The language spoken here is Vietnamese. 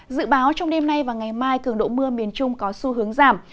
dự báo trong đêm nay và ngày mai cường độ mưa miền trung có xu hướng giảm